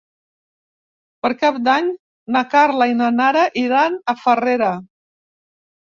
Per Cap d'Any na Carla i na Nara iran a Farrera.